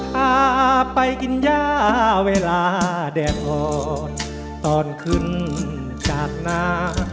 พาไปกินย่าเวลาแดดอ่อนตอนขึ้นจากหน้า